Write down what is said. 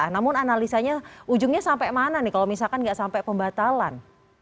namun analisanya ujungnya sampai mana nih kalau misalkan nggak sampai pembatalan